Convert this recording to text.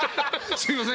すいません。